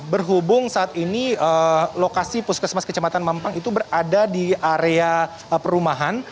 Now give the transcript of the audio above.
berhubung saat ini lokasi puskesmas kecamatan mampang itu berada di area perumahan